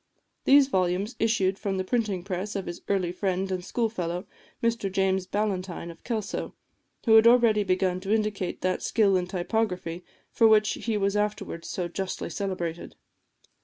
These volumes issued from the printing press of his early friend and school fellow, Mr James Ballantyne of Kelso, who had already begun to indicate that skill in typography for which he was afterwards so justly celebrated.